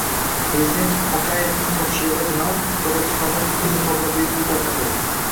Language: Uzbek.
Prezident Tokayevning topshirig'iga binoan, Qozog'istonda tibbiy niqoblar bepul tarqatildi